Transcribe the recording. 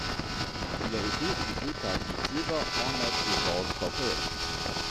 Il a été édité par Deep Silver, Enlight et Valve Corporation.